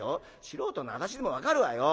素人の私でも分かるわよ